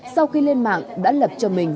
sau khi lên mạng đã lập cho mình